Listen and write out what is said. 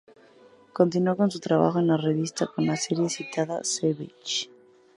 Continuó con su trabajo en la revista con la serie y citada, "Savage".